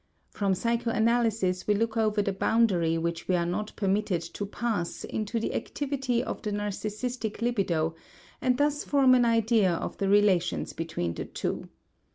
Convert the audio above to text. From psychoanalysis we look over the boundary which we are not permitted to pass into the activity of the narcissistic libido and thus form an idea of the relations between the two.